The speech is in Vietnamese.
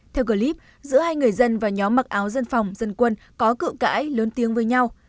theo clip giữa hai người dân và nhóm mặc áo dân phòng dân quân có cự cãi lớn tiếng với nhau